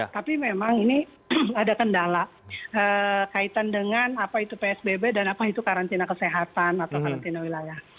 tapi memang ini ada kendala kaitan dengan apa itu psbb dan apa itu karantina kesehatan atau karantina wilayah